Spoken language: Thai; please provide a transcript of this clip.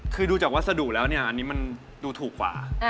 คือดูจากวัสดุแล้วเนี่ยอันนี้มันดูถูกกว่า